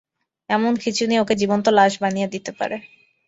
এমন খিঁচুনি ওকে জীবন্ত লাশ বানিয়ে দিতে পারে।